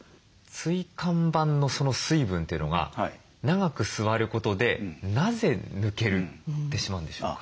椎間板のその水分というのが長く座ることでなぜ抜けてしまうんでしょうか？